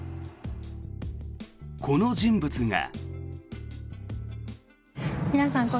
この人物が。